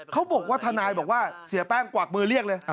เขาบอกว่าทนายบอกว่าเสียแป้งกวักมือเรียกเลย